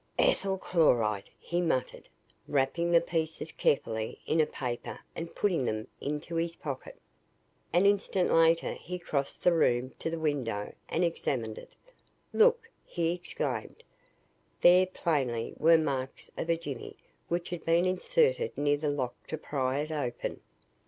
"Ethyl chloride!" he muttered, wrapping the pieces carefully in a paper and putting them into his pocket. An instant later he crossed the room to the window and examined it. "Look!" he exclaimed. There, plainly, were marks of a jimmy which had been inserted near the lock to pry it open.